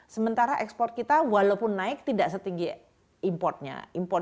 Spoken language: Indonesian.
sementara ekspor kita walaupun naik tidak setinggi importnya